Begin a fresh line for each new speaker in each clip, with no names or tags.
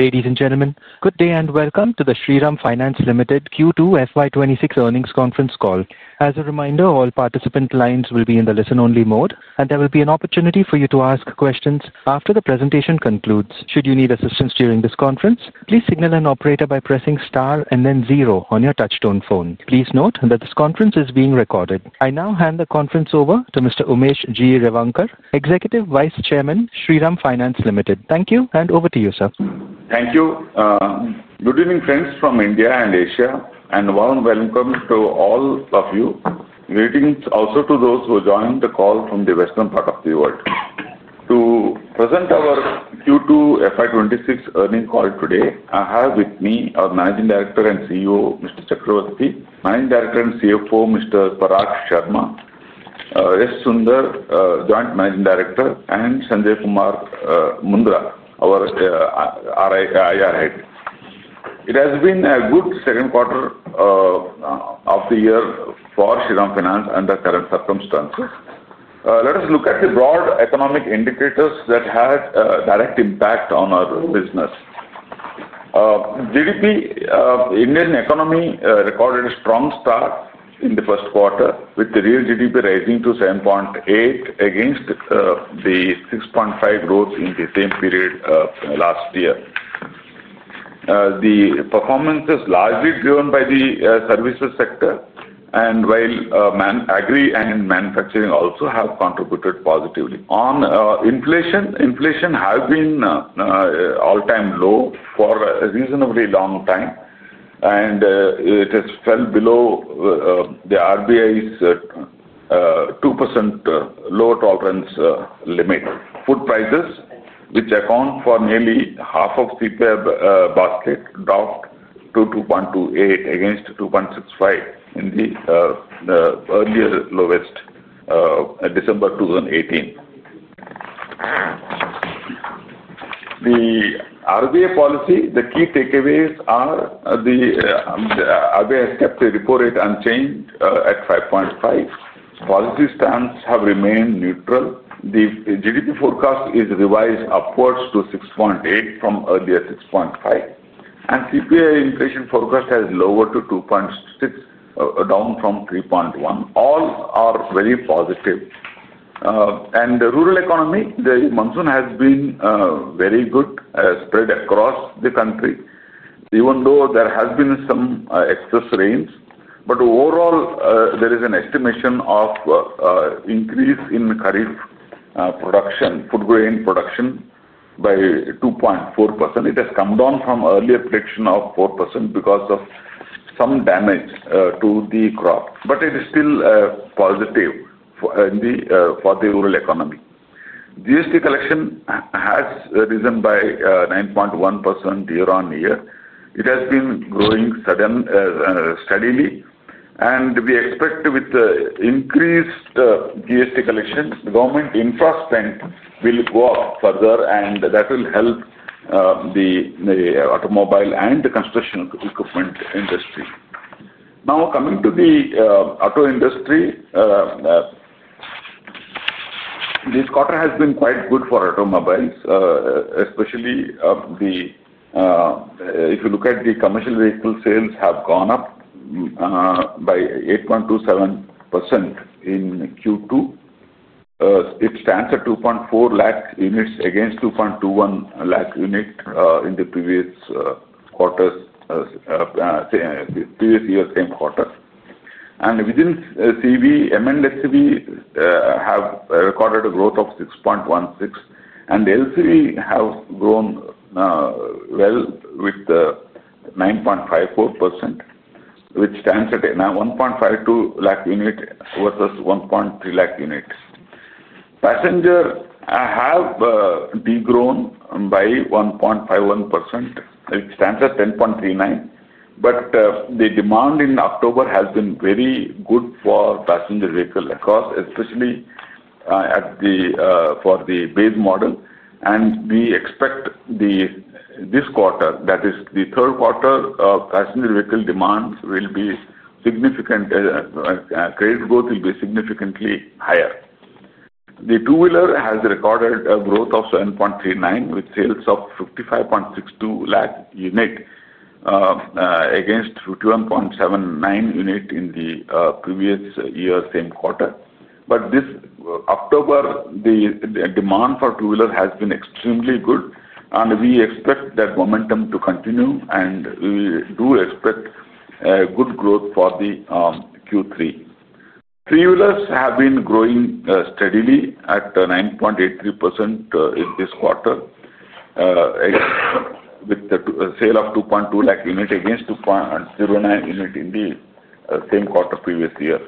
Ladies and gentlemen, good day and welcome to the Shriram Finance Limited Q2 FY 2026 earnings conference call. As a reminder, all participant lines will be in the listen-only mode, and there will be an opportunity for you to ask questions after the presentation concludes. Should you need assistance during this conference, please signal an operator by pressing star and then zero on your touch-tone phone. Please note that this conference is being recorded. I now hand the conference over to Mr. Umesh G. Revankar, Executive Vice Chairman, Shriram Finance Limited. Thank you, and over to you, sir.
Thank you. Good evening, friends from India and Asia, and a warm welcome to all of you. Greetings also to those who joined the call from the western part of the world. To present our Q2 FY 2026 earnings call today, I have with me our Managing Director and CEO, Mr. Chakravarti, Managing Director and CFO, Mr. Parag Sharma, S. Sunder, Joint Managing Director, and Sanjay Kumar Mundra, our IR Head. It has been a good second quarter of the year for Shriram Finance under current circumstances. Let us look at the broad economic indicators that had a direct impact on our business. GDP: Indian economy recorded a strong start in the first quarter, with the real GDP rising to 7.8 against the 6.5% growth in the same period last year. The performance is largely driven by the services sector, while agri and manufacturing also have contributed positively. On inflation, inflation has been all-time low for a reasonably long time, and it has fell below the RBI's 2% lower tolerance limit. Food prices, which account for nearly half of the CPI basket, dropped to 2.28% against 2.65% in the earlier lowest December 2018. The RBI policy, the key takeaways are the RBI has kept the repo rate unchanged at 5.5%. Policy stance has remained neutral. The GDP forecast is revised upwards to 6.8% from earlier 6.5%, and CPI inflation forecast has lowered to 2.6%, down from 3.1%. All are very positive. The rural economy, the monsoon has been very good spread across the country, even though there has been some excess rains. Overall, there is an estimation of an increase in the Kharif production, food grain production, by 2.4%. It has come down from earlier prediction of 4% because of some damage to the crop, but it is still positive for the rural economy. GST collection has risen by 9.1% year on year. It has been growing steadily, and we expect with the increased GST collection, the government infrastructure will go up further, and that will help the Automobile and the Construction Equipment industry. Now coming to the auto industry. This quarter has been quite good for automobiles, especially the commercial vehicle sales. They have gone up by 8.27% in Q2. It stands at 240,000 units against 221,000 units in the previous year's same quarter. Within CV, M&HCV have recorded a growth of 6.16%, and LCV have grown well with 9.54%, which stands at 152,000 units versus 130,000 units. Passenger have degrown by 1.51%, which stands at 10.39. The demand in October has been very good for passenger vehicles across, especially for the base model. We expect this quarter, that is the third quarter, passenger vehicle demand will be significant. Credit growth will be significantly higher. The two-wheeler has recorded a growth of 7.39% with sales of 5,562,000 units against 5,179,000 units in the previous year's same quarter. This October, the demand for two-wheelers has been extremely good, and we expect that momentum to continue, and we do expect good growth for Q3. Three-wheelers have been growing steadily at 9.83% in this quarter, with the sale of 220,000 units against 209,000 units in the same quarter previous year.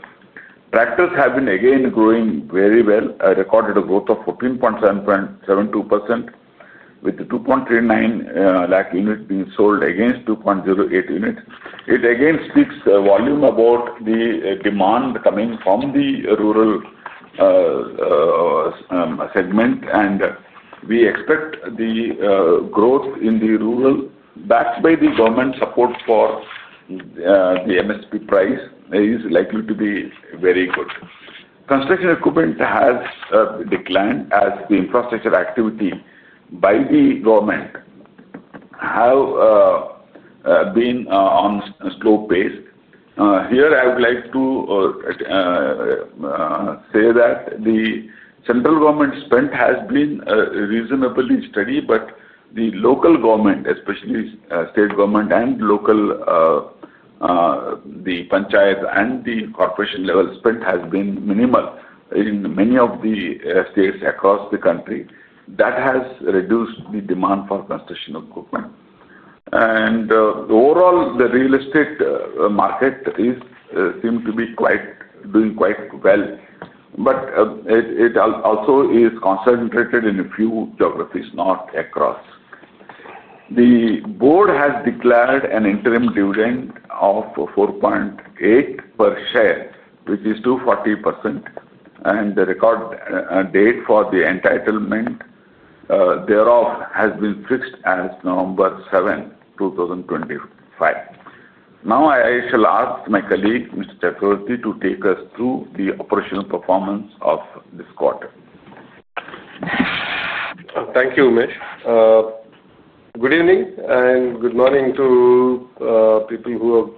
Tractors have been again growing very well. I recorded a growth of 14.72%, with 239,000 units being sold against 208,000 units. It again speaks volumes about the demand coming from the rural segment, and we expect the growth in the rural, backed by the government support for the MSP price, is likely to be very good. Construction Equipment has declined as the infrastructure activity by the government has been on a slow pace. Here, I would like to say that the central government spend has been reasonably steady, but the local government, especially state government and local, the panchayat and the corporation level spend, has been minimal in many of the states across the country. That has reduced the demand for construction equipment. Overall, the real estate market seems to be doing quite well, but it also is concentrated in a few geographies, not across. The board has declared an interim dividend of 4.8 per share, which is 240%. The record date for the entitlement thereof has been fixed as November 7, 2025. Now I shall ask my colleague, Mr. Varti, to take us through the operational performance of this quarter.
Thank you, Umesh. Good evening and good morning to people who have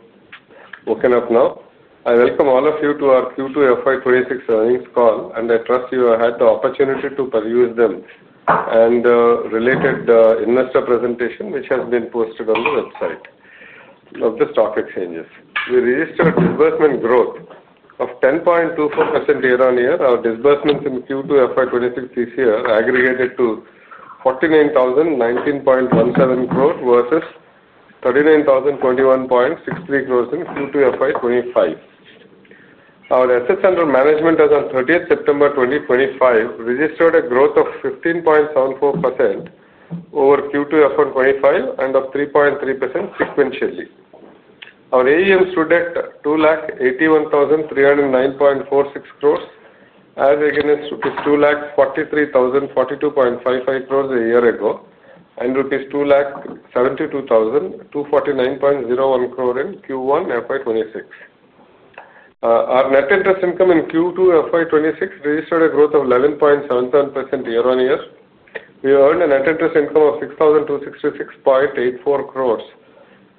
woken up now. I welcome all of you to our Q2 FY 2026 earnings call, and I trust you have had the opportunity to peruse them and related investor presentation, which has been posted on the website of the stock exchanges. We registered disbursement growth of 10.24% year on year. Our disbursements in Q2 FY 2026 this year aggregated to 49,019.17 crore versus 39,021.63 crore in Q2 FY 2025. Our Assets Under Management as on 30th September 2025 registered a growth of 15.74% over Q2 FY 2025 and of 3.3% sequentially. Our AUM stood at 2,810,309.46 crore as against rupees 2,430,425.5 crore a year ago and rupees 2,72,249.01 crore in Q1 FY 2026. Our net interest income in Q2 FY 2026 registered a growth of 11.77% year on year. We earned a net interest income of 6,266.84 crore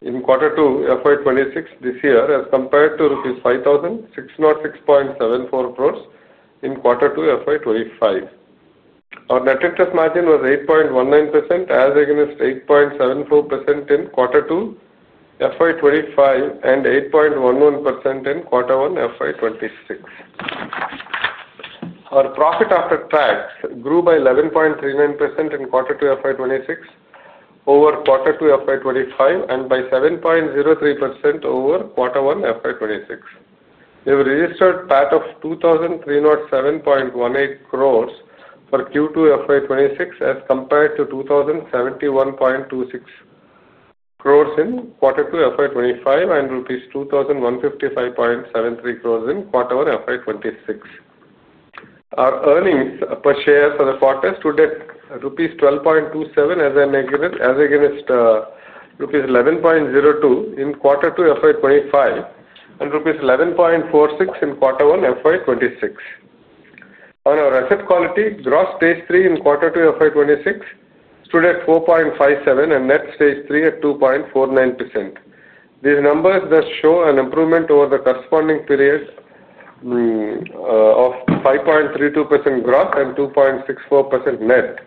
in Q2 FY 2026 this year as compared to 5,606.74 crore in Q2 FY 2025. Our net interest margin was 8.19% as against 8.74% in Q2 FY 2025 and 8.11% in Q1 FY 2026. Our profit after tax grew by 11.39% in Q2 FY 2026 over Q2 FY 2025 and by 7.03% over Q1 FY 2026. We registered a PAT of 2,307.18 crore for Q2 FY 2026 as compared to 2,071.26 crore in Q2 FY 2025 and INR 2,155.73 crore in Q1 FY 2026. Our earnings per share for the quarter stood at rupees 12.27 as against rupees 11.02 in Q2 FY 2025 and rupees 11.46 in Q1 FY 2026. On our asset quality, Gross Stage 3 in Q2 FY 2026 stood at 4.57% and Net Stage 3 at 2.49%. These numbers do show an improvement over the corresponding period of 5.32% gross and 2.64% net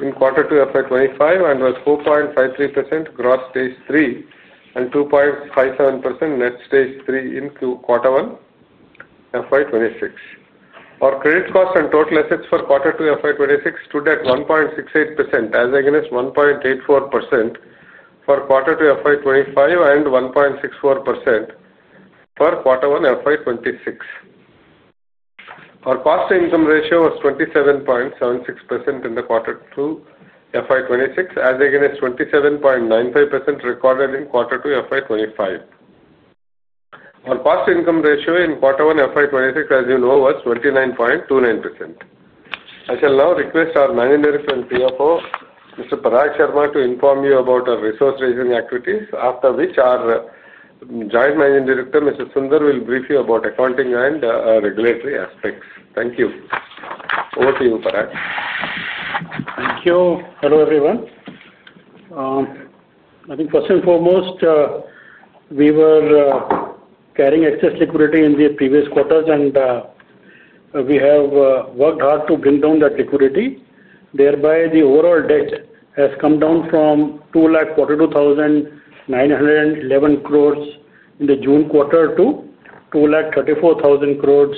in Q2 FY 2025 and was 4.53% Gross Stage 3 and 2.57% Net Stage 3 in Q1 FY 2026. Our credit cost and total assets for Q2 FY 2026 stood at 1.68% as against 1.84% for Q2 FY 2025 and 1.64% for Q1 FY 2026. Our cost-to-income ratio was 27.76% in Q2 FY 2026 as against 27.95% recorded in Q2 FY 2025. Our cost-to-income ratio in Q1 FY 2026, as you know, was 29.29%. I shall now request our Managing Director and CFO, Mr. Parag Sharma, to inform you about our resource raising activities, after which our Joint Managing Director, Mr. Sunder, will brief you about accounting and regulatory aspects. Thank you. Over to you, Parag.
Thank you. Hello everyone. First and foremost, we were carrying excess liquidity in the previous quarters, and we have worked hard to bring down that liquidity. Thereby, the overall debt has come down from 242,911 crore in the June quarter to 234,000 crore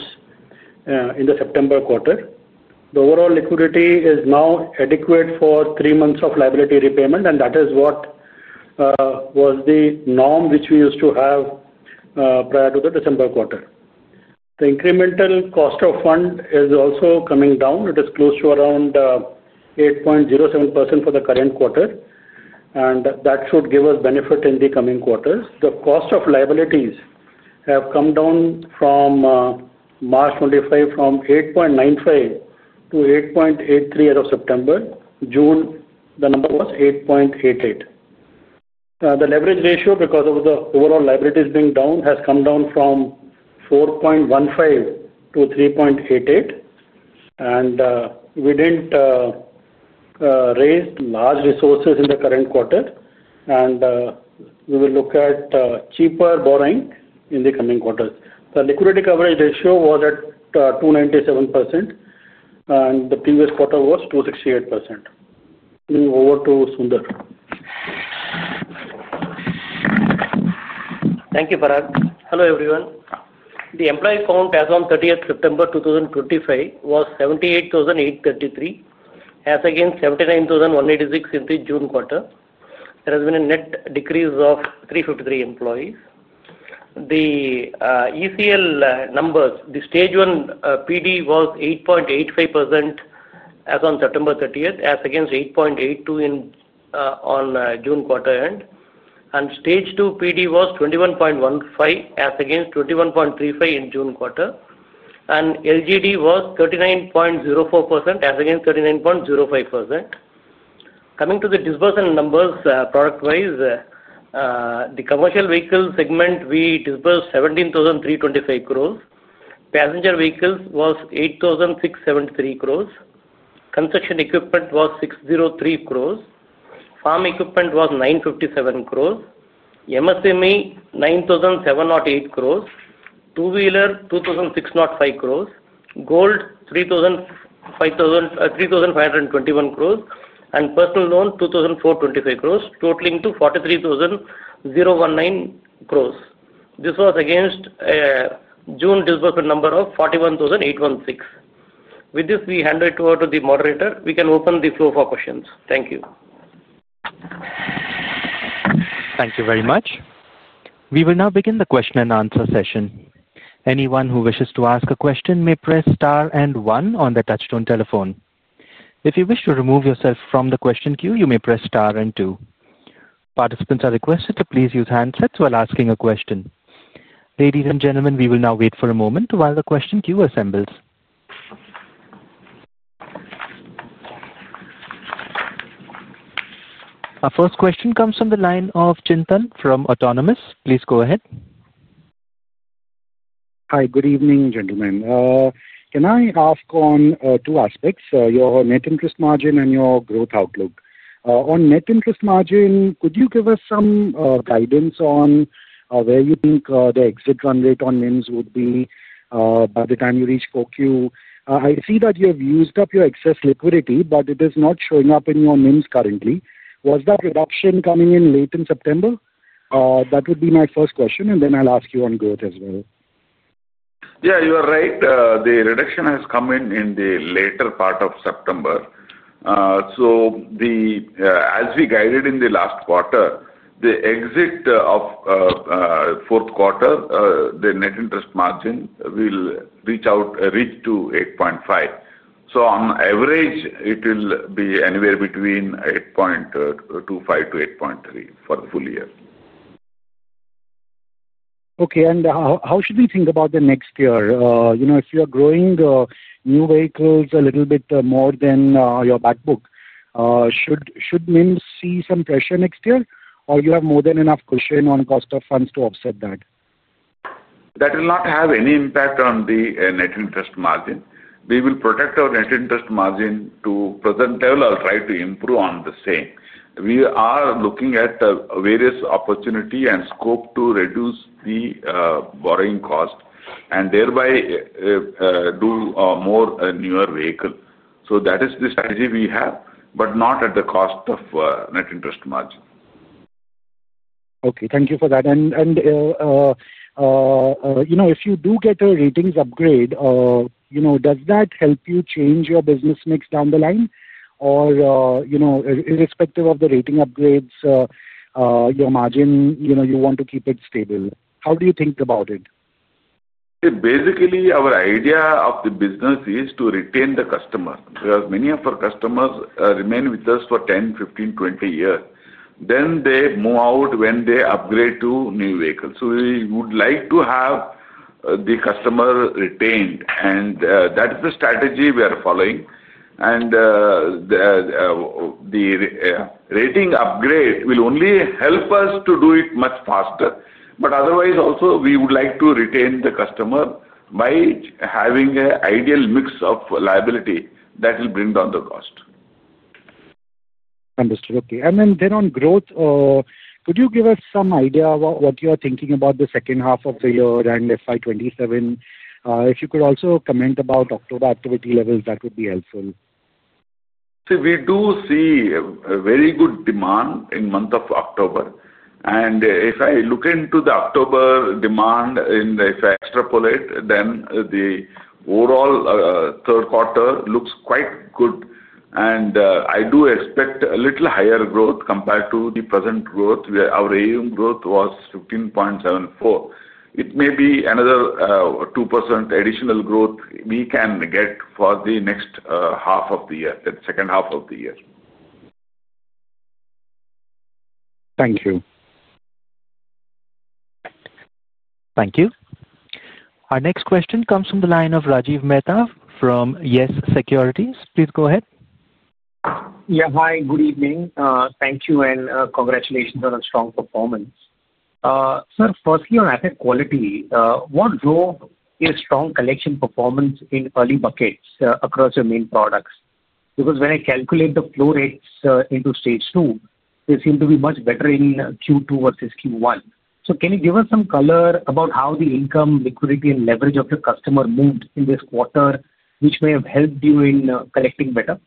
in the September quarter. The overall liquidity is now adequate for three months of liability repayment, and that is what was the norm which we used to have prior to the December quarter. The incremental cost of funds is also coming down. It is close to around 8.07% for the current quarter, and that should give us benefit in the coming quarters. The cost of liabilities has come down from March 2025 from 8.95% to 8.83% as of September. June, the number was 8.88%. The leverage ratio, because of the overall liabilities being down, has come down from 4.15 to 3.88. We didn't raise large resources in the current quarter, and we will look at cheaper borrowing in the coming quarters. The liquidity coverage ratio was at 297%, and the previous quarter was 268%. Moving over to Sunder.
Thank you, Parag. Hello everyone. The employee count as of September 30th, 2025 was 78,833, as against 79,186 in the June quarter. There has been a net decrease of 353 employees. The ECL numbers, the Stage 1 PD was 8.85% as of September 30th, as against 8.82% on June quarter end. Stage 2 PD was 21.15%, as against 21.35% in June quarter. LGD was 39.04%, as against 39.05%. Coming to the disbursement numbers, product-wise, the commercial vehicle segment, we disbursed 17,325 crore. Passenger vehicles was 8,673 crore. Construction Equipment was 603 crore. Farm equipment was 957 crore. MSME 9,708 crore. Two-wheeler 2,605 crore. Gold 3,521 crore, and Personal Loan 2,425 crore, totaling to 43,019 crore. This was against June disbursement number of 41,816 crore. With this, we hand it over to the moderator. We can open the floor for questions. Thank you.
Thank you very much. We will now begin the question and answer session. Anyone who wishes to ask a question may press star and one on the touchstone telephone. If you wish to remove yourself from the question queue, you may press star and two. Participants are requested to please use handsets while asking a question. Ladies and gentlemen, we will now wait for a moment while the question queue assembles. Our first question comes from the line of Chintan from Autonomous. Please go ahead.
Hi, good evening, gentlemen. Can I ask on two aspects, your net interest margin and your growth outlook? On net interest margin, could you give us some guidance on where you think the exit run rate on NIMs would be by the time you reach focus? I see that you have used up your excess liquidity, but it is not showing up in your NIMs currently. Was that reduction coming in late in September? That would be my first question, and then I'll ask you on growth as well.
Yeah, you are right. The reduction has come in in the later part of September. As we guided in the last quarter, the exit of fourth quarter, the net interest margin will reach out, reach to 8.5%. On average, it will be anywhere between 8.25%-8.3% for the full year.
Okay, and how should we think about the next year? If you are growing new vehicles a little bit more than your backbook, should NIMs see some pressure next year, or do you have more than enough cushion on cost of funds to offset that?
That will not have any impact on the net interest margin. We will protect our net interest margin to present level. I'll try to improve on the same. We are looking at various opportunities and scope to reduce the borrowing cost and thereby do more newer vehicles. That is the strategy we have, but not at the cost of net interest margin.
Thank you for that. If you do get a ratings upgrade, does that help you change your business mix down the line? Irrespective of the rating upgrades, your margin, you want to keep it stable. How do you think about it?
Basically, our idea of the business is to retain the customer because many of our customers remain with us for 10, 15, 20 years. They move out when they upgrade to new vehicles. We would like to have the customer retained, and that is the strategy we are following. The rating upgrade will only help us to do it much faster. Otherwise, we would like to retain the customer by having an ideal mix of liability that will bring down the cost.
Understood. Okay. Could you give us some idea of what you are thinking about the second half of the year and FY 2027? If you could also comment about October activity levels, that would be helpful.
See, we do see very good demand in the month of October. If I look into the October demand, if I extrapolate, then the overall third quarter looks quite good. I do expect a little higher growth compared to the present growth. Our AUM growth was 15.74%. It may be another 2% additional growth we can get for the next half of the year, the second half of the year.
Thank you.
Thank you. Our next question comes from the line of Rajiv Mehta from YES SECURITIES. Please go ahead.
Yeah, hi, good evening. Thank you and congratulations on a strong performance. Sir, firstly, on asset quality, what drove a strong collection performance in early buckets across your main products? When I calculate the flow rates into Stage 2, they seem to be much better in Q2 versus Q1. Can you give us some color about how the income, liquidity, and leverage of your customer moved in this quarter, which may have helped you in collecting better?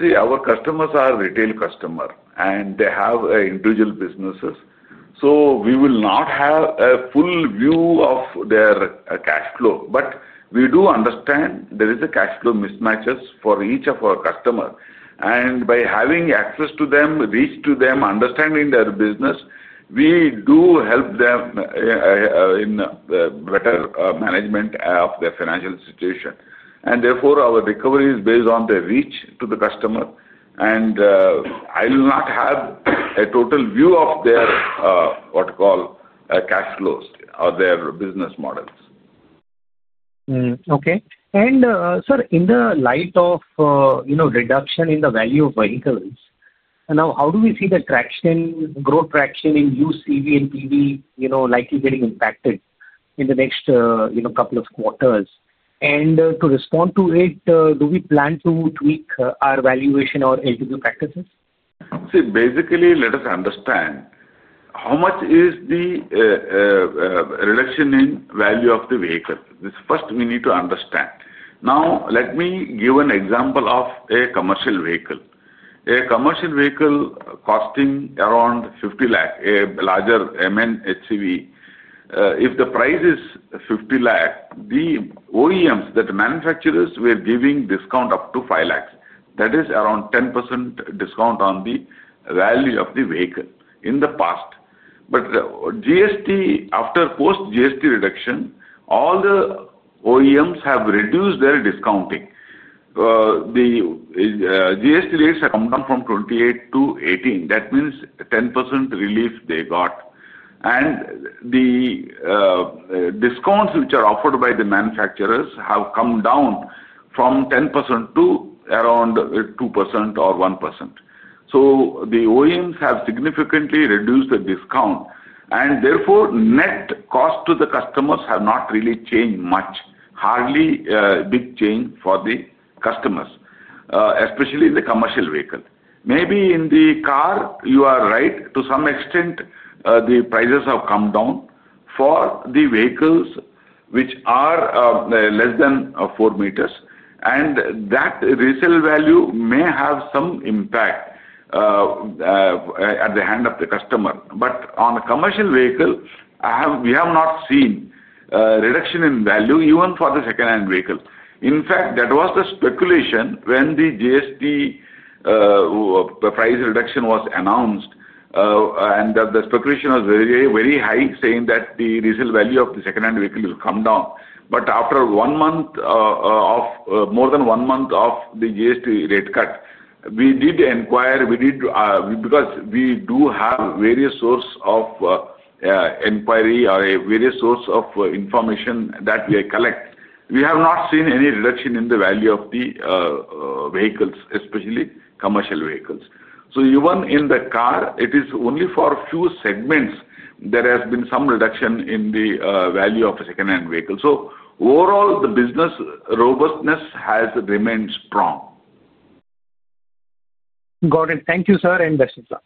See, our customers are retail customers, and they have individual businesses. We will not have a full view of their cash flow, but we do understand there is a cash flow mismatch for each of our customers. By having access to them, reach to them, understanding their business, we do help them in better management of their financial situation. Therefore, our recovery is based on the reach to the customer. I will not have a total view of their, what you call, cash flows or their business models.
Okay. Sir, in the light of reduction in the value of vehicles, how do we see the growth traction in used, EV, and PV likely getting impacted in the next couple of quarters? To respond to it, do we plan to tweak our valuation or LTV practices?
See, basically, let us understand how much is the reduction in value of the vehicle. This is first we need to understand. Now, let me give an example of a commercial vehicle. A commercial vehicle costing around 5,000,000, a larger M&HCV. If the price is 5,000,000, the OEMs, the manufacturers, were giving discount up to 500,000. That is around 10% discount on the value of the vehicle in the past. After post-GST reduction, all the OEMs have reduced their discounting. The GST rates have come down from 28% to 18%. That means 10% relief they got. The discounts which are offered by the manufacturers have come down from 10% to around 2% or 1%. The OEMs have significantly reduced the discount. Therefore, net cost to the customers has not really changed much, hardly a big change for the customers, especially in the commercial vehicle. Maybe in the car, you are right, to some extent, the prices have come down. For the vehicles which are less than four meters, that resale value may have some impact at the hand of the customer. On a commercial vehicle, we have not seen a reduction in value, even for the second-hand vehicle. In fact, that was the speculation when the GST price reduction was announced. The speculation was very high, saying that the resale value of the second-hand vehicle will come down. After more than one month of the GST rate cut, we did inquire because we do have various sources of inquiry or various sources of information that we collect. We have not seen any reduction in the value of the vehicles, especially commercial vehicles. Even in the car, it is only for a few segments there has been some reduction in the value of the second-hand vehicles. Overall, the business robustness has remained strong.
Got it. Thank you, sir, and best of luck.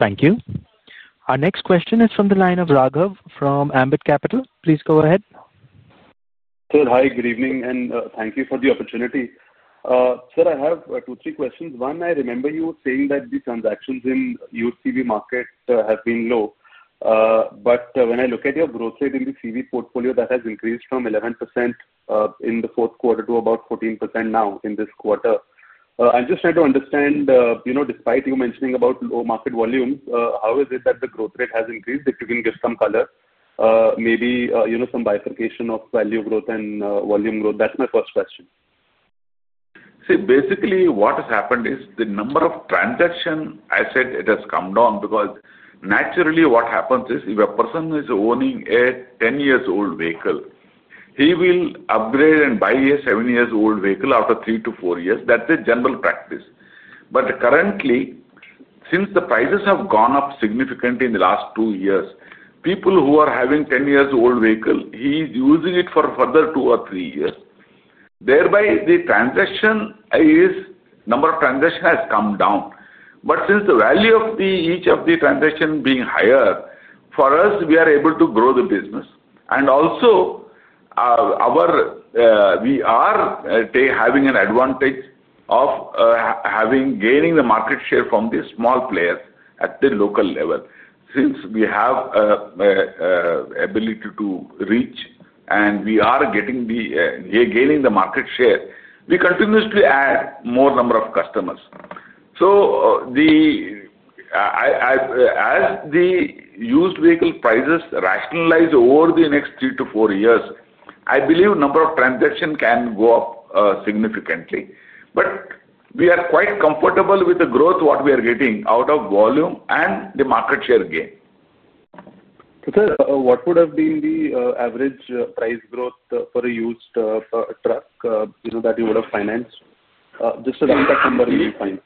Thank you. Our next question is from the line of Raghav from Ambit Capital. Please go ahead.
Sir, hi, good evening, and thank you for the opportunity. Sir, I have two or three questions. One, I remember you saying that the transactions in the U.S. CV market have been low. When I look at your growth rate in the CV portfolio, that has increased from 11% in the fourth quarter to about 14% now in this quarter. I just want to understand. Despite you mentioning low market volume, how is it that the growth rate has increased? If you can give some color, maybe some bifurcation of value growth and volume growth. That's my first question.
See, basically, what has happened is the number of transaction assets has come down because naturally, what happens is if a person is owning a 10-year-old vehicle, he will upgrade and buy a 7-year-old vehicle after three to four years. That's the general practice. Currently, since the prices have gone up significantly in the last two years, people who are having a 10-year-old vehicle, he's using it for another two or three years. Thereby, the number of transactions has come down. Since the value of each of the transactions is higher, for us, we are able to grow the business. We are having an advantage of gaining the market share from the small players at the local level. Since we have the ability to reach and we are gaining the market share, we continuously add more number of customers. As the used vehicle prices rationalize over the next three to four years, I believe the number of transactions can go up significantly. We are quite comfortable with the growth we are getting out of volume and the market share gain.
Sir, what would have been the average price growth for a used truck that you would have financed? Just a number you would find.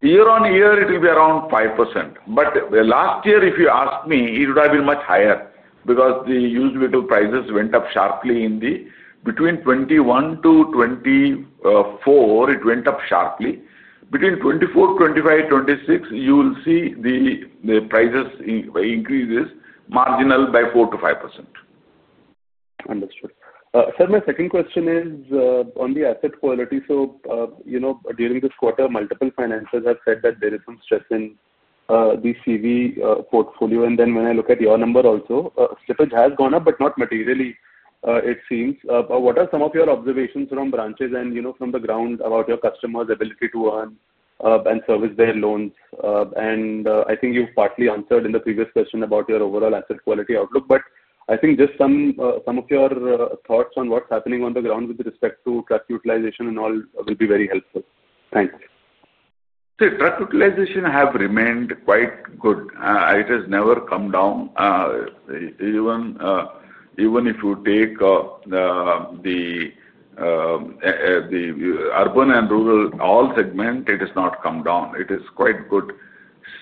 Year on year, it will be around 5%. Last year, if you ask me, it would have been much higher because the used vehicle prices went up sharply. Between 2021 to 2024, it went up sharply. Between 2024, 2025, and 2026, you will see the prices increase marginally by 4%-5%.
Understood. Sir, my second question is on the asset quality. During this quarter, multiple financiers have said that there is some stress in the CV portfolio. When I look at your number also, slippage has gone up, but not materially, it seems. What are some of your observations from branches and from the ground about your customers' ability to earn and service their loans? I think you've partly answered in the previous question about your overall asset quality outlook. I think just some of your thoughts on what's happening on the ground with respect to truck utilization and all will be very helpful. Thanks.
See, truck utilization has remained quite good. It has never come down. Even if you take the urban and rural, all segments, it has not come down. It is quite good.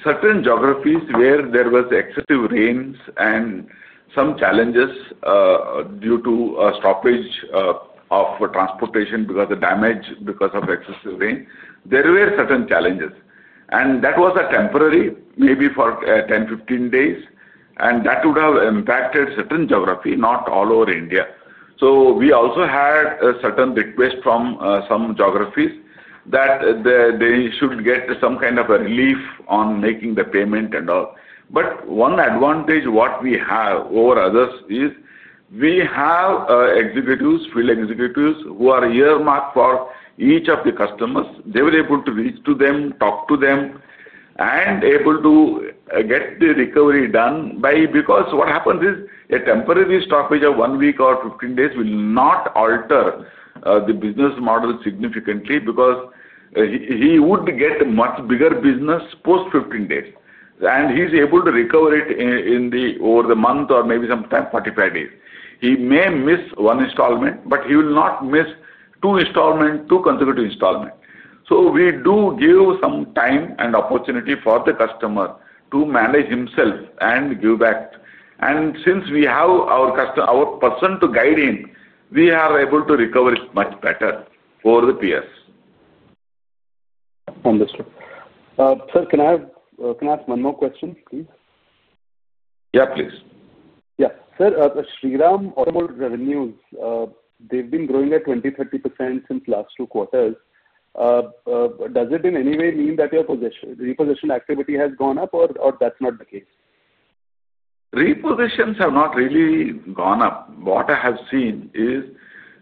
Certain geographies where there was excessive rain and some challenges due to stoppage of transportation because of damage, because of excessive rain, there were certain challenges. That was temporary, maybe for 10, 15 days. That would have impacted certain geography, not all over India. We also had a certain request from some geographies that they should get some kind of a relief on making the payment and all. One advantage we have over others is we have executives, field executives who are earmarked for each of the customers. They were able to reach to them, talk to them, and able to get the recovery done. What happens is a temporary stoppage of one week or 15 days will not alter the business model significantly because he would get a much bigger business post 15 days. He's able to recover it over the month or maybe sometimes 45 days. He may miss one installment, but he will not miss two consecutive installments. We do give some time and opportunity for the customer to manage himself and give back. Since we have our person to guide him, we are able to recover it much better for the peers.
Understood. Sir, can I ask one more question, please?
Yeah, please.
Yeah. Sir, Shriram Finance revenues, they've been growing at 20%, 30% since last two quarters. Does it in any way mean that your repossession activity has gone up, or that's not the case?
Repositions have not really gone up. What I have seen is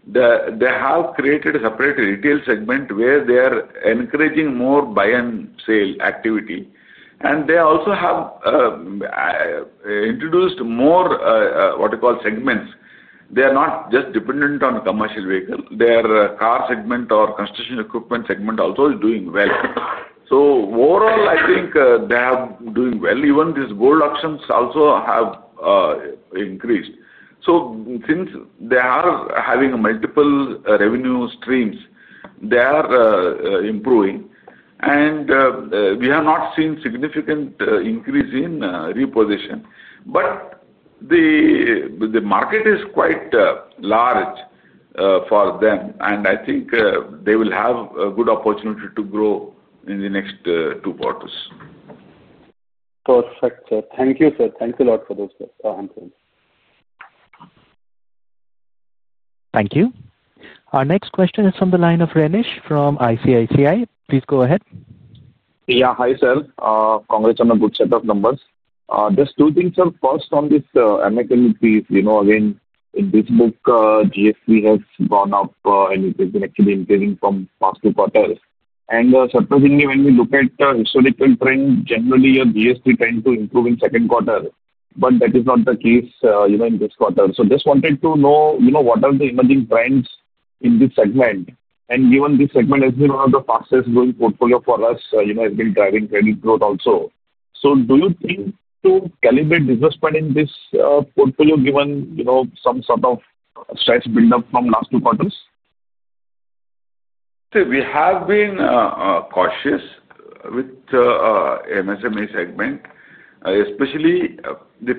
they have created a separate retail segment where they are encouraging more buy and sale activity. They also have introduced more, what you call, segments. They are not just dependent on commercial vehicles. Their Car segment or Construction Equipment segment also is doing well. Overall, I think they are doing well. Even these gold auctions also have increased. Since they are having multiple revenue streams, they are improving. We have not seen a significant increase in reposition. The market is quite large for them, and I think they will have a good opportunity to grow in the next two quarters.
Perfect, sir. Thank you, sir. Thank you a lot for those answers.
Thank you. Our next question is from the line of Renish from ICICI. Please go ahead. Yeah, hi, sir. Congrats on a good set of numbers. Just two things, sir. First, on this MSME piece, again, in this book, Gross Stage 3 has gone up and it has been actually increasing from past two quarters. Surprisingly, when we look at the historical trend, generally, Gross Stage 3 tends to improve in the second quarter. That is not the case in this quarter. I just wanted to know what are the emerging trends in this segment. Given this segment has been one of the fastest-growing portfolios for us, it has been driving credit growth also. Do you think to calibrate business plan in this portfolio given some sort of stress buildup from last two quarters?
See, we have been cautious with the MSME segment, especially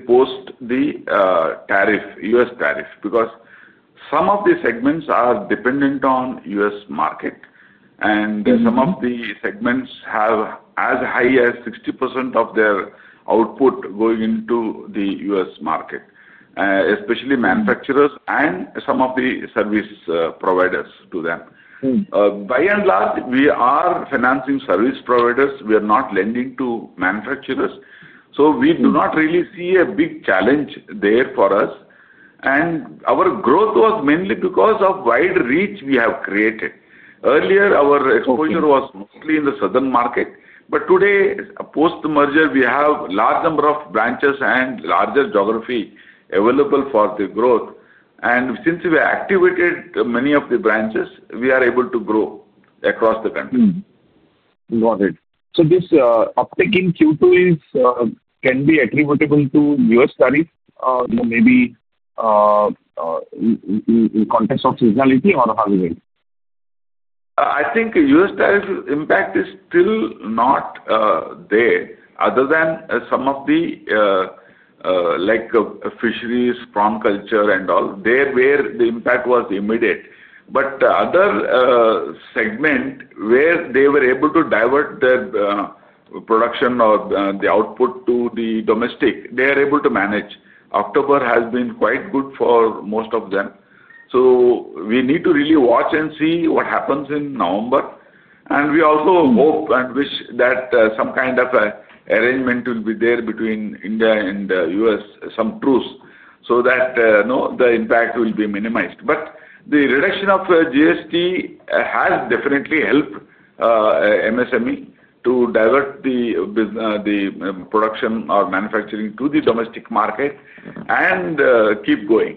post U.S. tariff, because some of the segments are dependent on the U.S. market. Some of the segments have as high as 60% of their output going into the U.S. market, especially manufacturers and some of the service providers to them. By and large, we are financing service providers. We are not lending to manufacturers, so we do not really see a big challenge there for us. Our growth was mainly because of the wide reach we have created. Earlier, our exposure was mostly in the southern market. Today, post-merger, we have a large number of branches and larger geographies available for growth. Since we activated many of the branches, we are able to grow across the country. Got it. This uptick in Q2 can be attributable to U.S. tariffs, maybe. In context of seasonality or how is it? I think U.S. tariff impact is still not. Other than some of the fisheries, farm culture, and all, there where the impact was immediate. Other segments where they were able to divert the production or the output to the domestic, they are able to manage. October has been quite good for most of them. We need to really watch and see what happens in November. We also hope and wish that some kind of arrangement will be there between India and the U.S., some truce, so that the impact will be minimized. The reduction of GST has definitely helped MSME to divert the production or manufacturing to the domestic market and keep going.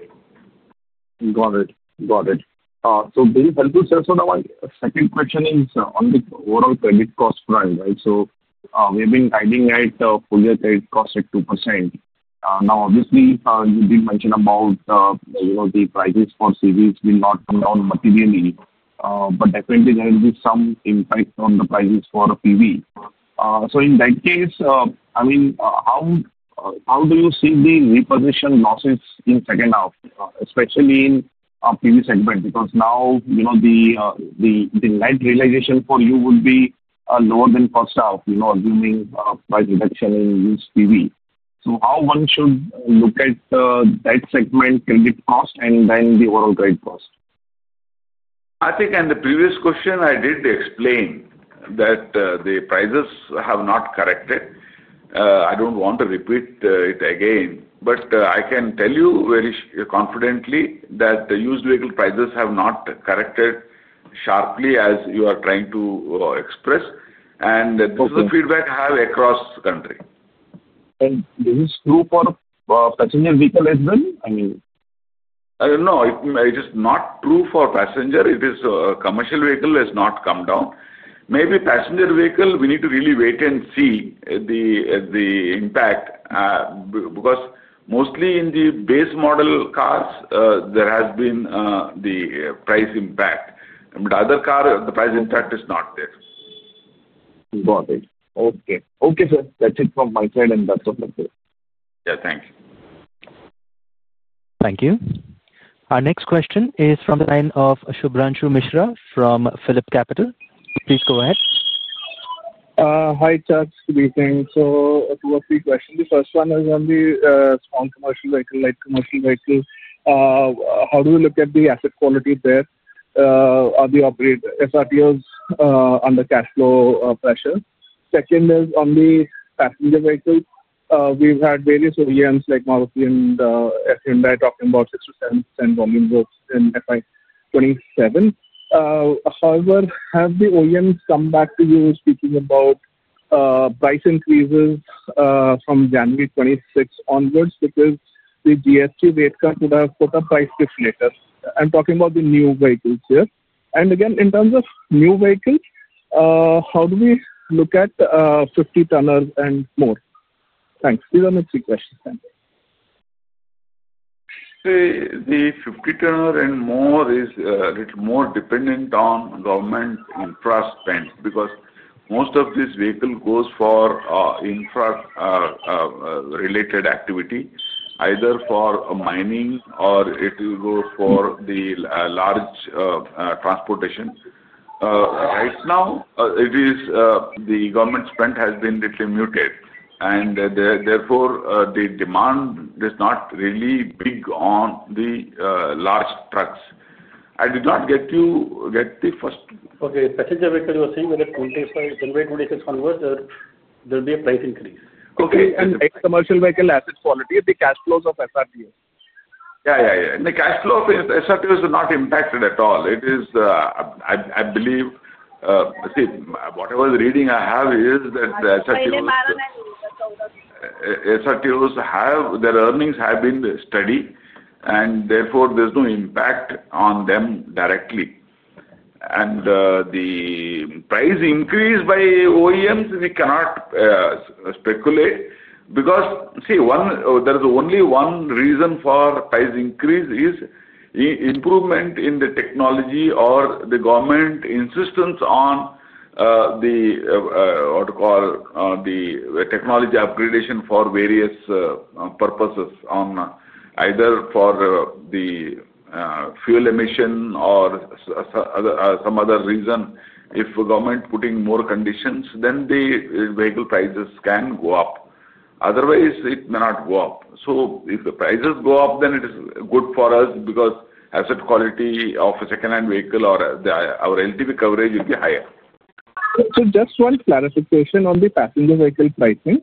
Got it. Very helpful, sir. My second question is on the overall credit cost front, right? We have been guiding at full credit cost at 2%. You did mention the prices for CVs will not come down materially, but definitely, there will be some impact on the prices for PV. In that case, how do you see the reposition losses in the second half, especially in the PV segment? Now the net realization for you would be lower than the first half, assuming price reduction in used PV. How should one look at that segment, credit cost, and then the overall credit cost? I think in the previous question, I did explain that the prices have not corrected. I don't want to repeat it again. I can tell you very confidently that the used vehicle prices have not corrected sharply as you are trying to express. This is the feedback I have across the country. Is this true for passenger vehicle as well? I mean. No, it is not true for passenger. It is a commercial vehicle that has not come down. Maybe passenger vehicle, we need to really wait and see the impact. Mostly in the base model cars, there has been the price impact. Other cars, the price impact is not there. Got it. Okay. Okay, sir. That's it from my side, and that's all. Yeah, thank you.
Thank you. Our next question is from the line of Shubhranshu Mishra from PhillipCapital. Please go ahead.
Hi, sir. Speaking. A two or three questions. The first one is on the small commercial vehicle, light commercial vehicle. How do we look at the asset quality there? Are the SRTs under cash flow pressure? Second is on the passenger vehicles. We've had various OEMs like Maruti and Hyundai talking about 6% volume growth in FY 2027. However, have the OEMs come back to you speaking about price increases from January 2026 onwards because the GST rate cut would have put a price shift later? I'm talking about the new vehicles here. In terms of new vehicles, how do we look at 50-tonners and more? Thanks. These are my three questions. Thank you.
The 50-tonner and more is a little more dependent on government infrastructure spend because most of this vehicle goes for infrastructure-related activity, either for mining or it will go for the large transportation. Right now, the government spend has been a little muted, therefore, the demand is not really big on the large trucks. I did not get the first.
Okay. Passenger vehicle, you were saying that at 2025, January 26 onwards, there will be a price increase.
Okay. And commercial vehicle asset quality, the cash flows of SRTs.
Yeah, yeah. The cash flow of SRTs are not impacted at all, I believe. See, whatever the reading I have is that the SRTs, their earnings have been steady, and therefore, there's no impact on them directly. The price increase by OEMs, we cannot speculate because, see, there's only one reason for price increase: improvement in the technology or the government insistence on what you call the technology upgradation for various purposes, either for the fuel emission or some other reason. If the government is putting more conditions, then the vehicle prices can go up. Otherwise, it may not go up. If the prices go up, then it is good for us because the asset quality of a second-hand vehicle or our LTV coverage will be higher.
Just one clarification on the passenger vehicle pricing.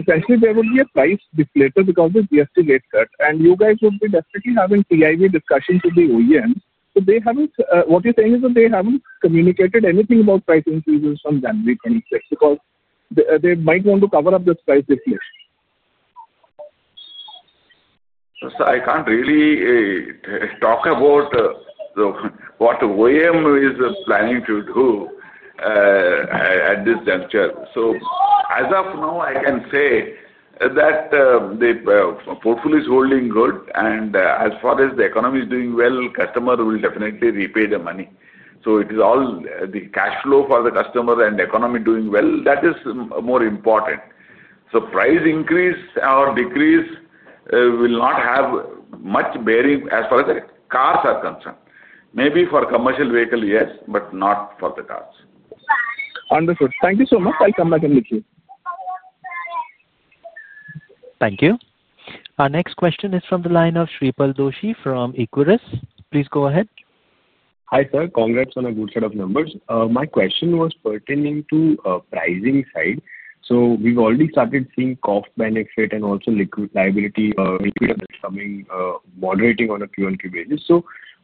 Essentially, there would be a price deflator because of the GST rate cut. You guys would definitely be having TIV discussions with the OEMs. What you're saying is that they haven't communicated anything about price increases from January 26 because they might want to cover up this price deflation.
I can't really talk about what OEM is planning to do at this juncture. As of now, I can say that the portfolio is holding good, and as far as the economy is doing well, the customer will definitely repay the money. It is all the cash flow for the customer and the economy doing well; that is more important. Price increase or decrease will not have much bearing as far as the cars are concerned. Maybe for commercial vehicles, yes, but not for the cars.
Understood. Thank you so much. I'll come back and meet you.
Thank you. Our next question is from the line of Shreepal Doshi from Equirus. Please go ahead.
Hi, sir. Congrats on a good set of numbers. My question was pertaining to the pricing side. We've already started seeing cost benefit and also liquidity coming, moderating on a Q1Q basis.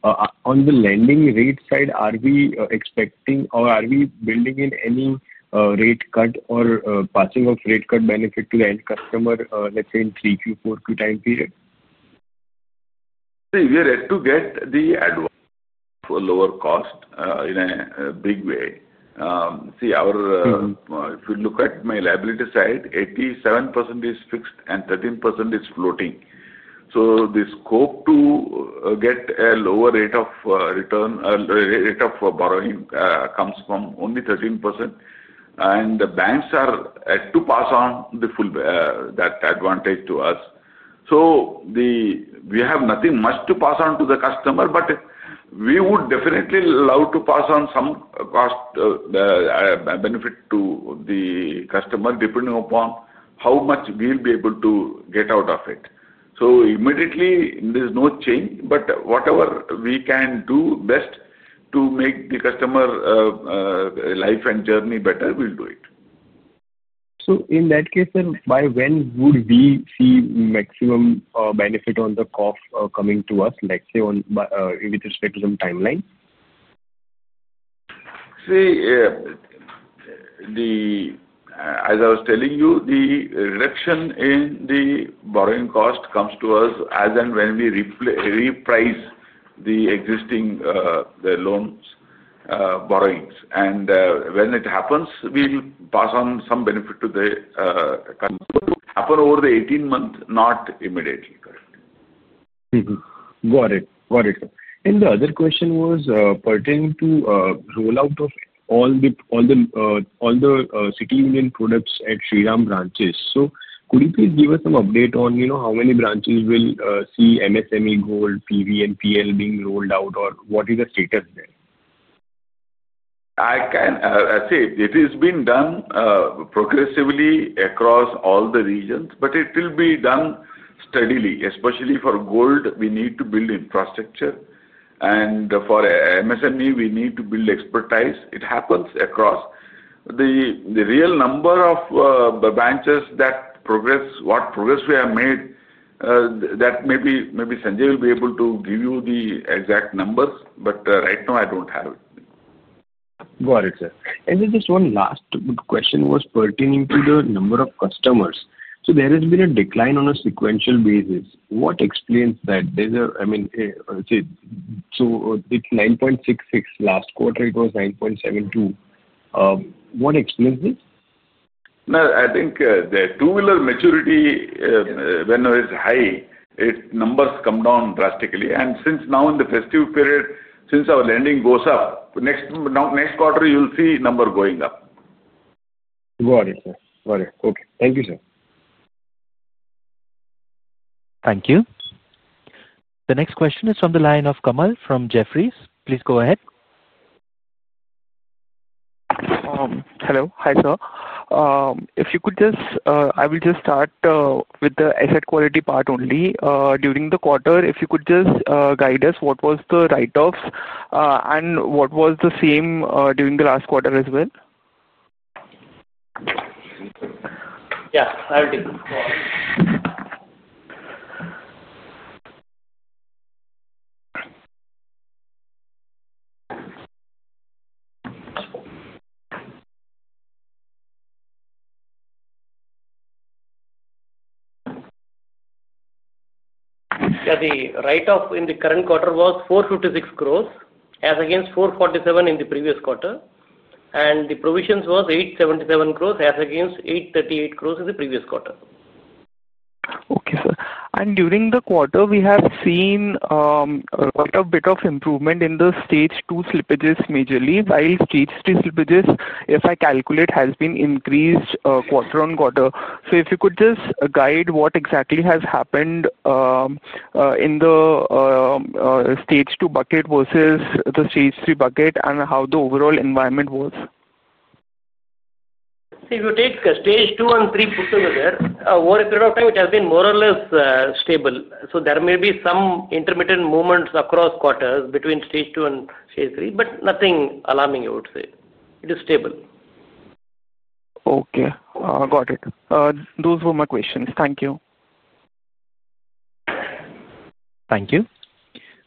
On the lending rate side, are we expecting or are we building in any rate cut or passing of rate cut benefit to the end customer, let's say, in Q3, Q4, Q time period?
We are yet to get the advantage for lower cost in a big way. If you look at my liability side, 87% is fixed and 13% is floating. The scope to get a lower rate of borrowing comes from only 13%, and the banks are yet to pass on that advantage to us. We have nothing much to pass on to the customer, but we would definitely love to pass on some cost benefit to the customer depending upon how much we'll be able to get out of it. Immediately, there's no change. Whatever we can do best to make the customer life and journey better, we'll do it.
In that case, sir, by when would we see maximum benefit on the cost coming to us, let's say with respect to some timeline?
See, as I was telling you, the reduction in the borrowing cost comes to us as and when we reprice the existing loans, borrowings. When it happens, we'll pass on some benefit to the happen over the 18 months, not immediately.
Got it. Got it, sir. The other question was pertaining to the rollout of all the City Union products at Shriram branches. Could you please give us some update on how many branches will see MSME, Gold, PV, and PL being rolled out, or what is the status there?
I can say it has been done progressively across all the regions, but it will be done steadily. Especially for Gold, we need to build infrastructure. For MSME, we need to build expertise. It happens across. The real number of branches that progress, what progress we have made, that maybe Sanjay will be able to give you the exact numbers. Right now, I don't have it.
Got it, sir. Just one last question was pertaining to the number of customers. There has been a decline on a sequential basis. What explains that? I mean, it's 9.66 last quarter. It was 9.72. What explains this?
No, I think the two-wheeler maturity, whenever is high, numbers come down drastically. Since now in the festive period, since our lending goes up, next quarter, you'll see numbers going up.
Got it, sir. Got it. Okay, thank you, sir.
Thank you. The next question is from the line of Kamal from Jefferies. Please go ahead. Hello. Hi, sir. If you could just, I will just start with the asset quality part only. During the quarter, if you could just guide us, what was the write-offs and what was the same during the last quarter as well?
Yeah, I will take this. The write-off in the current quarter was 456 crore as against 447 crore in the previous quarter. The provisions was 877 crore as against 838 crore in the previous quarter. Okay, sir. During the quarter, we have seen quite a bit of improvement in the Stage 2 slippages majorly, while Stage 3 slippages, if I calculate, have been increased quarter on quarter. If you could just guide what exactly has happened in the Stage 2 bucket versus the Stage 3 bucket and how the overall environment was. If you take Stage 2 and Stage 3 put together, over a period of time, it has been more or less stable. There may be some intermittent movements across quarters between Stage 2 and Stage 3, but nothing alarming, I would say. It is stable. Okay. Got it. Those were my questions. Thank you.
Thank you.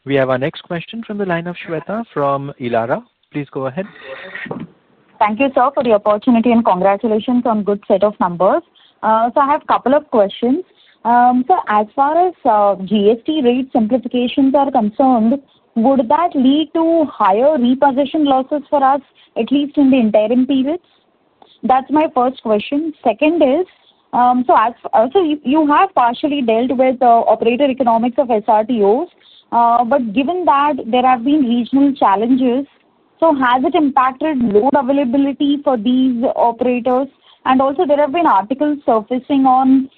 We have our next question from the line of Shweta from Elara. Please go ahead.
Thank you, sir, for the opportunity and congratulations on a good set of numbers. I have a couple of questions. As far as GST rate simplifications are concerned, would that lead to higher reposition losses for us, at least in the interim periods? That's my first question. You have partially dealt with operator economics of SRTOs. Given that there have been regional challenges, has it impacted load availability for these operators? There have been articles surfacing on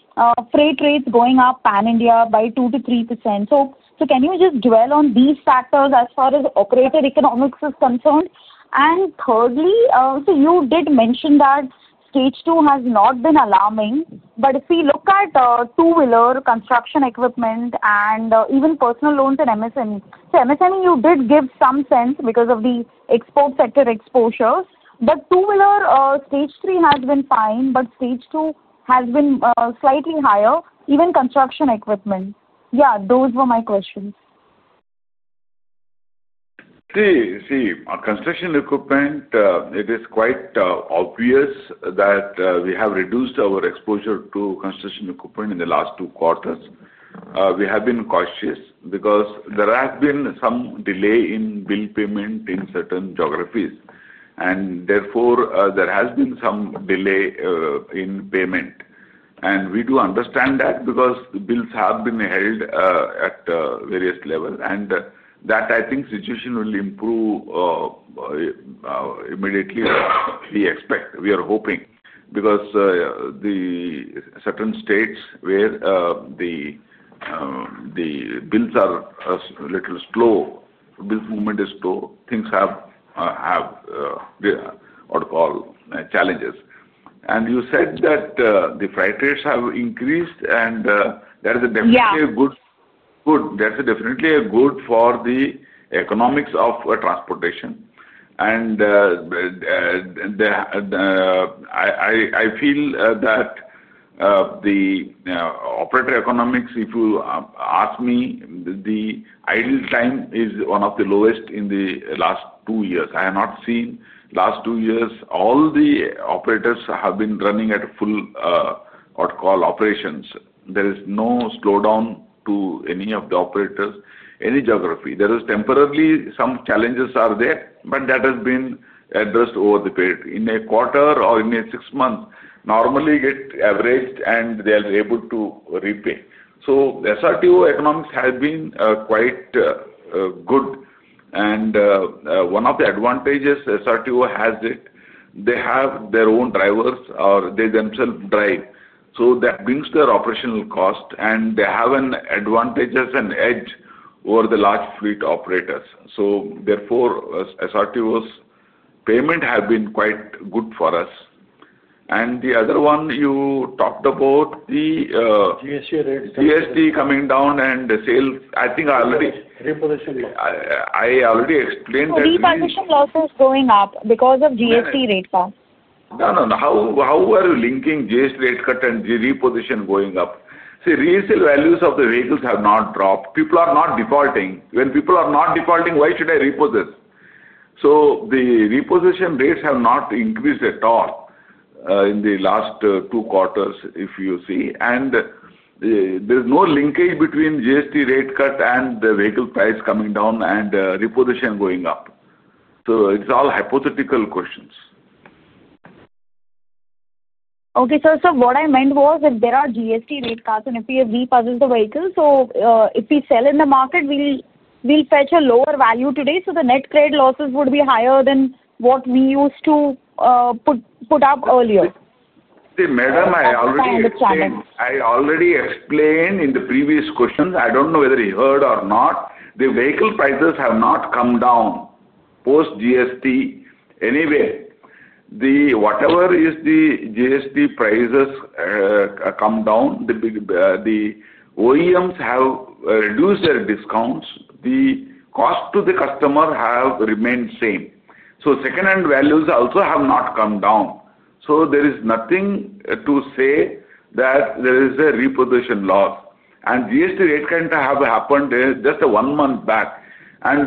freight rates going up pan India by 2%-3%. Can you just dwell on these factors as far as operator economics is concerned? You did mention that Stage 2 has not been alarming. If we look at two-wheeler, construction equipment, and even personal loans and MSME, MSME you did give some sense because of the export sector exposures. Two-wheeler, Stage 3 has been fine, but Stage 2 has been slightly higher, even construction equipment. Those were my questions.
See, Construction Equipment, it is quite obvious that we have reduced our exposure to Construction Equipment in the last two quarters. We have been cautious because there has been some delay in bill payment in certain geographies. Therefore, there has been some delay in payment. We do understand that because the bills have been held at various levels. That, I think, situation will improve. Immediately, we expect. We are hoping because certain states where the bills are a little slow, bill movement is slow, things have challenges. You said that the freight rates have increased, and that is definitely good. That's definitely good for the economics of transportation. I feel that the operator economics, if you ask me, the idle time is one of the lowest in the last two years. I have not seen last two years, all the operators have been running at full operations. There is no slowdown to any of the operators, any geography. There is temporarily some challenges there, but that has been addressed over the period. In a quarter or in six months, normally get averaged, and they are able to repay. SRTO economics has been quite good. One of the advantages SRTO has is they have their own drivers or they themselves drive. That brings their operational cost, and they have an advantage as an edge over the large fleet operators. Therefore, SRTO's payment has been quite good for us. The other one you talked about, the GST coming down and the sale, I think I already.
Reposition losses.
I already explained that.
Reposition losses going up because of GST rate cuts.
No, no, no. How are you linking GST rate cut and the reposition going up? See, resale values of the vehicles have not dropped. People are not defaulting. When people are not defaulting, why should I reposition? The reposition rates have not increased at all in the last two quarters, if you see. There is no linkage between GST rate cut and the vehicle price coming down and reposition going up. It's all hypothetical questions.
Okay, sir. What I meant was if there are GST rate cuts and if we repurpose the vehicles, if we sell in the market, we'll fetch a lower value today. The net credit losses would be higher than what we used to put up earlier.
See, madam, I already.
On the challenge.
I already explained in the previous questions. I don't know whether you heard or not. The vehicle prices have not come down post-GST. Anyway, whatever is the GST prices come down, the OEMs have reduced their discounts. The cost to the customer has remained the same. Second-hand values also have not come down. There is nothing to say that there is a reposition loss. GST rate cut has happened just one month back.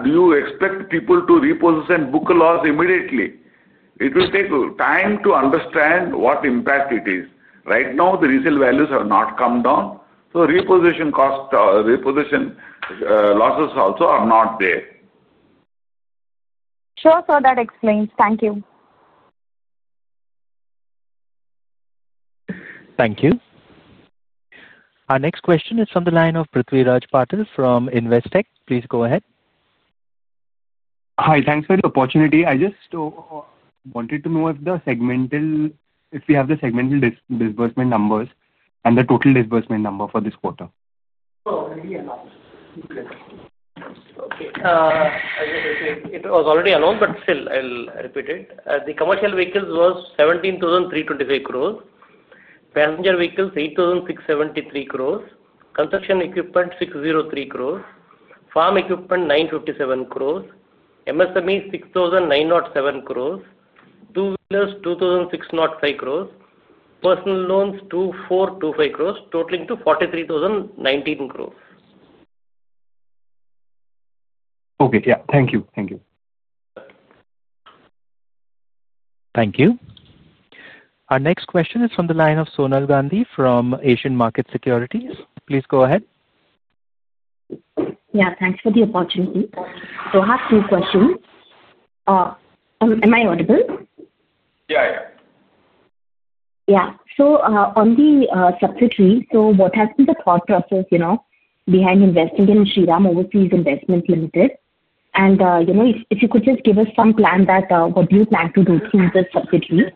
You expect people to reposition book loss immediately. It will take time to understand what impact it is. Right now, the resale values have not come down. Reposition losses also are not there.
Sure, sir. That explains. Thank you.
Thank you. Our next question is from the line of Prithviraj Patil from Investec. Please go ahead.
Hi. Thanks for the opportunity. I just wanted to know if we have the segmental disbursement numbers and the total disbursement number for this quarter.
Okay. It was already announced, but still I'll repeat it. The commercial vehicles were 17,325 crore. Passenger Vehicles 8,673 crore. Construction Equipment 603 crore. Farm Equipment 957 crore. MSME 6,907 crore. Two-wheelers 2,605 crore. Personal Loans 2,425 crore, totaling to 43,019 crore.
Okay. Thank you. Thank you.
Thank you. Our next question is from the line of Sonal Gandhi from Asian Markets Securities. Please go ahead.
Yeah, thanks for the opportunity. I have two questions. Am I audible?
Yeah, yeah.
Yeah. On the subsidiaries, what has been the thought process behind investing in Shriram Overseas Investment Limited? If you could just give us some plan, what do you plan to do through the subsidiaries?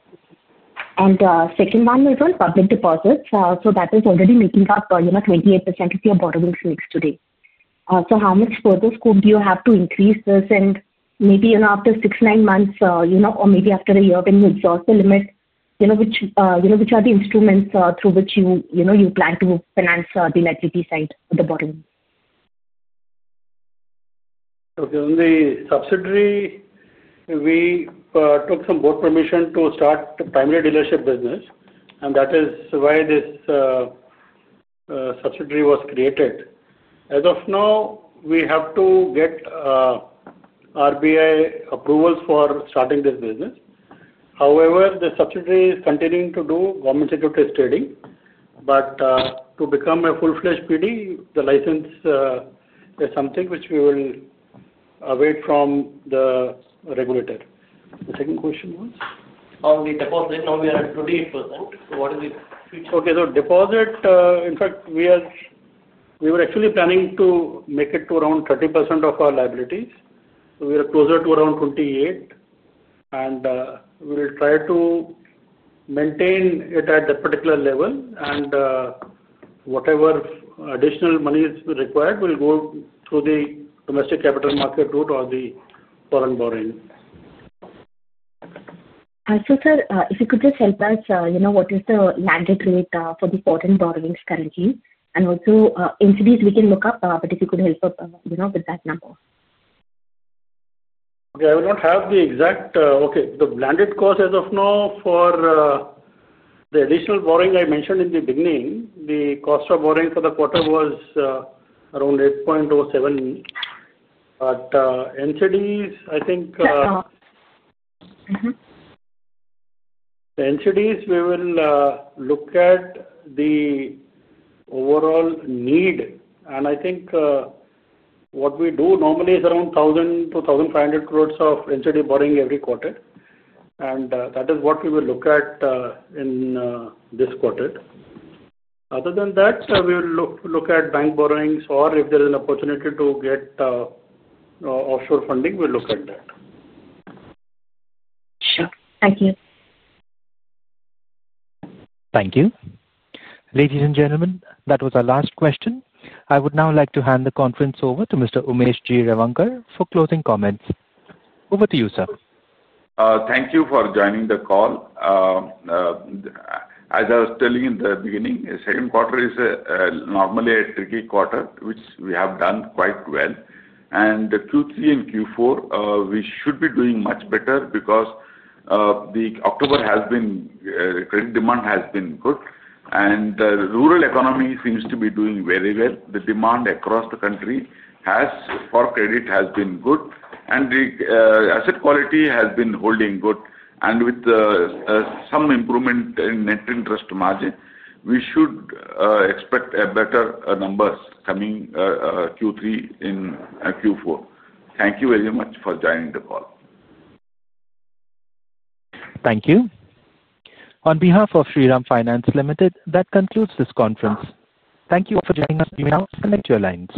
The second one is on public deposits. That is already making up 28% of your borrowings next today. How much further scope do you have to increase this? Maybe after six, nine months, or maybe after a year when you exhaust the limit, which are the instruments through which you plan to finance the electricity side of the borrowing?
Okay. On the subsidiary, we took some Board permission to start the primary dealership business. That is why this subsidiary was created. As of now, we have to get RBI approvals for starting this business. However, the subsidiary is continuing to do government sector trading. To become a full-fledged PD, the license is something which we will await from the regulator. The second question was?
On the deposit, now we are at 28%. What is the future?
Deposit, in fact, we were actually planning to make it to around 30% of our liabilities. We are closer to around 28%, and we will try to maintain it at that particular level. Whatever additional money is required, we'll go through the domestic capital market route or the foreign borrowing.
Sir, if you could just help us, what is the landed rate for the foreign borrowings currently? Also, in cities we can look up, but if you could help us with that number.
I will not have the exact. The landed cost as of now for the additional borrowing I mentioned in the beginning, the cost of borrowing for the quarter was around 8.07%. NCDs, I think.
Yeah.
The NCDs, we will look at the overall need. What we do normally is around 1,000 crore-1,500 crore of NCD borrowing every quarter. That is what we will look at in this quarter. Other than that, we will look at bank borrowings, or if there is an opportunity to get offshore funding, we'll look at that.
Sure, thank you.
Thank you. Ladies and gentlemen, that was our last question. I would now like to hand the conference over to Mr. Umesh G. Revankar for closing comments. Over to you, sir.
Thank you for joining the call. As I was telling you in the beginning, the second quarter is normally a tricky quarter, which we have done quite well. Q3 and Q4, we should be doing much better because the October has been, credit demand has been good. The rural economy seems to be doing very well. The demand across the country for credit has been good. The asset quality has been holding good. With some improvement in net interest margin, we should expect better numbers coming Q3 and Q4. Thank you very much for joining the call.
Thank you. On behalf of Shriram Finance Limited, that concludes this conference. Thank you for joining us. You may now connect your lines.